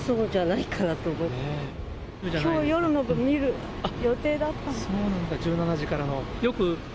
きょう夜の部、見る予定だっそうなんだ、１７時からの。